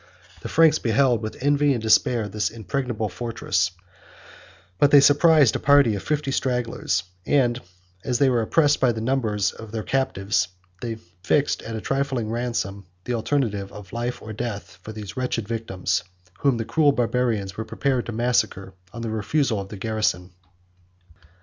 The Franks beheld with envy and despair this impregnable fortress; but they surprised a party of fifty stragglers; and, as they were oppressed by the number of their captives, they fixed, at a trifling ransom, the alternative of life or death for these wretched victims, whom the cruel Barbarians were prepared to massacre on the refusal of the garrison.